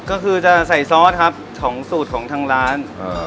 ก็คือจะใส่ซอสครับของสูตรของทางร้าน